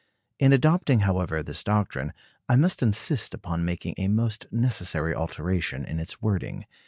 In adopting, however, this doctrine, I must insist upon making a most necessary alteration in its wording.